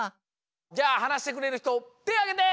じゃあはなしてくれるひとてあげて！